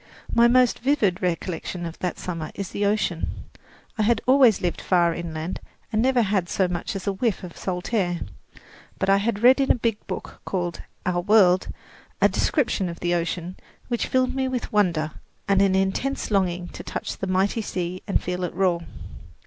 My most vivid recollection of that summer is the ocean. I had always lived far inland and had never had so much as a whiff of salt air; but I had read in a big book called "Our World" a description of the ocean which filled me with wonder and an intense longing to touch the mighty sea and feel it roar.